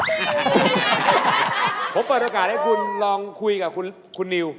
ผมเปิดโอกาสให้คุณลองคุยกับคุณนิว